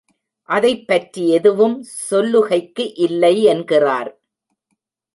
அதைப்பற்றி எதுவும் சொல்லுகைக்கு இல்லை என்கிறார்.